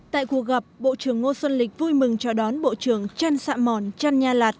tại cuộc gặp bộ trưởng ngô xuân lịch vui mừng chào đón bộ trưởng trăn xạ mòn trăn nha lạt